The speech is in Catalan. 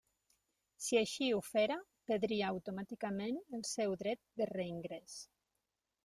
Si així ho fera, perdria automàticament el seu dret de reingrés.